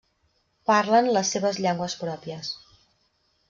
Parlen les seves llengües pròpies.